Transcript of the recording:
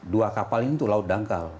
dua kapal ini untuk laut dangkal